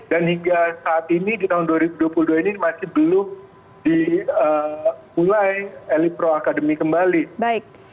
dan hingga saat ini di tahun dua ribu dua puluh dua ini masih belum dipulai elite pro akademi kembali